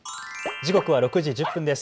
時刻は６時１０分です。